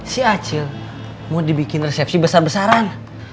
si acil mau dibikin resepsi besar besaran